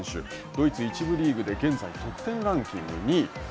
ドイツ１部リーグで、現在得点ランキング２位。